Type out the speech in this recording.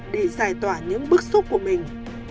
để giải tỏa những bức xúc của mình